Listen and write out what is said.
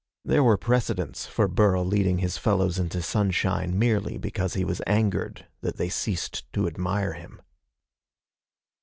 There were precedents for Burl leading his fellows into sunshine merely because he was angered that they ceased to admire him.